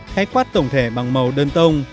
hãy quát tổng thể bằng màu đơn tông